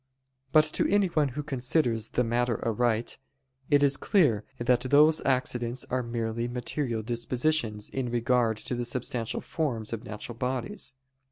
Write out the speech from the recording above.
But to anyone who considers the matter aright, it is clear that those accidents are merely material dispositions in regard to the substantial forms of natural bodies.